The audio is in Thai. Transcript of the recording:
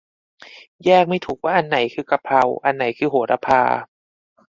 แยกไม่ถูกว่าอันไหนคือ กะเพรา อันไหนคือ โหระพา